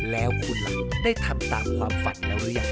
แล้วคุณล่ะได้ทำตามความฝันแล้วหรือยัง